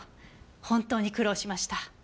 本当に苦労しました。